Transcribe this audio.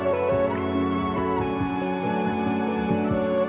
dari yakin ku teguh